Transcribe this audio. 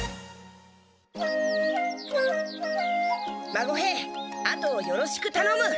孫兵あとをよろしくたのむ。